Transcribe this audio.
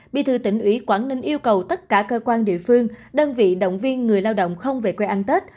bí thư tỉnh ủy quảng ninh yêu cầu tất cả cơ quan địa phương đơn vị động viên người lao động không về quê ăn tết